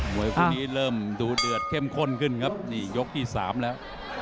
วยคู่นี้เริ่มดูเดือดเข้มข้นขึ้นครับนี่ยกที่สามแล้ว